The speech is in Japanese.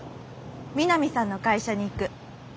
三並さんの会社に行く。